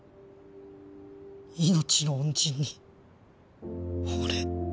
命の恩人に俺。